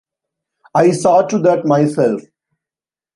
I saw to that myself...